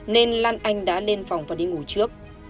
nên lan anh đã lên phòng và đi ngủ trước